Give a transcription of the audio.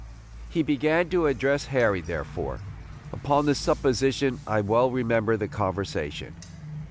He began to address Harry, therefore, upon this supposition I well remember the conversation.